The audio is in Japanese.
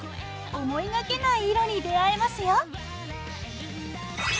思いがけない色に出会えますよ。